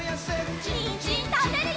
にんじんたべるよ！